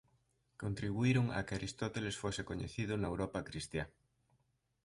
Contribuíron a que Aristóteles fose coñecido na Europa cristiá.